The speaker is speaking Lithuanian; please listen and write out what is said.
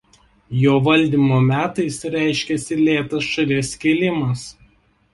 Jo valdymo metais reiškiasi lėtas šalies kilimas.